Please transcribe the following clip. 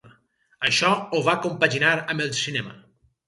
Això ho va compaginar amb el cinema.